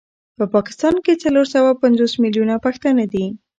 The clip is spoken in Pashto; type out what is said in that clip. په پاکستان کي څلور سوه پنځوس مليونه پښتانه دي